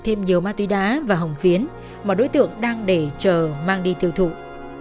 khi bị bắt bất ngờ bản thân phúc đã trở lại không kịp